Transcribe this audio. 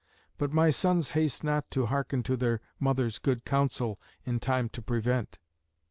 But my sons haste not to hearken to their mother's good counsel in time to prevent."